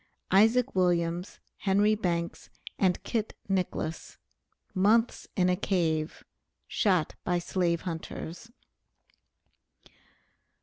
ISAAC WILLIAMS, HENRY BANKS, AND KIT NICKLESS. MONTHS IN A CAVE, SHOT BY SLAVE HUNTERS.